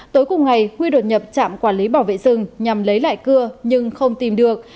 tối cùng ngày huy đột nhập trạm quản lý bảo vệ rừng nhằm lấy lại cưa nhưng không tìm được